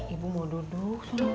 ibu mau duduk